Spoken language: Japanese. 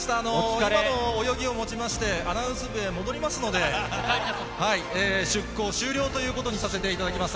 今の泳ぎをもちまして、アナウンス部へ戻りますので、出向終了ということにさせていただきます。